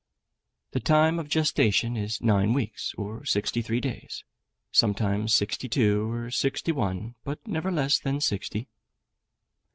The time of gestation is nine weeks, or sixty three days; sometimes sixty two or sixty one, but never less than sixty.